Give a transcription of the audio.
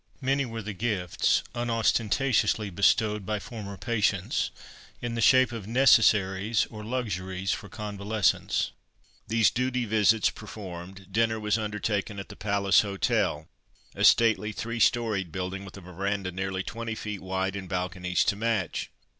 Many were the gifts, unostentatiously bestowed, by former patients in the shape of necessaries or luxuries for convalescents. These duty visits performed, dinner was undertaken at the Palace Hotel, a stately three storeyed building, with a verandah nearly twenty feet wide and balconies to match.